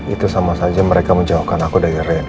itu sama saja mereka menjauhkan aku dari ren